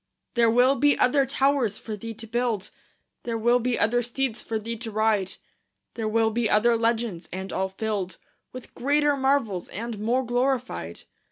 There will be other towers for thee to build; There will be other steeds for thee to ride; There will be other legends, and all filled With greater marvels and more glorified.